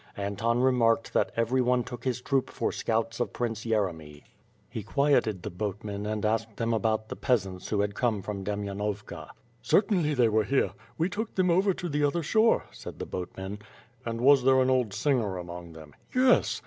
Anton remarked that everyone took his troop for scouts of Prince Yeremy. He quieted the boatmen and asked them about the peas ants who had come from Demainovka. "Certainly they were here. We took them over to the other shore," said the boatmen. "And was there an old singer among them?" "Yes."